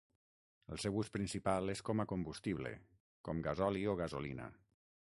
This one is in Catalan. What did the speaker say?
El seu ús principal és com a combustible, com gasoli o gasolina.